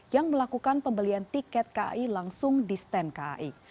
yang melakukan pembelian tiket kai langsung di stand kai